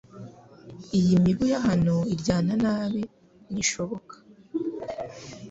iyi mibu ya hano iryana nabi nishoboka